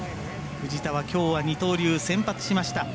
藤田はきょうは二刀流先発しました。